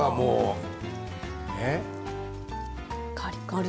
カリカリ。